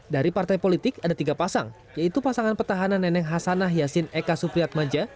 dari partai politik ada tiga pasang yaitu pasangan petahana nenek hasanah yasin eka supriyat maja